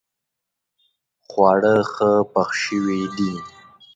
خواړه ښه پخ شوي دي